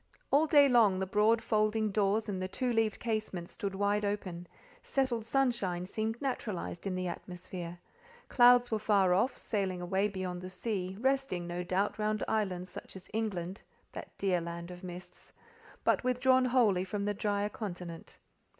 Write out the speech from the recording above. All day long the broad folding doors and the two leaved casements stood wide open: settled sunshine seemed naturalized in the atmosphere; clouds were far off, sailing away beyond sea, resting, no doubt, round islands such as England—that dear land of mists—but withdrawn wholly from the drier continent.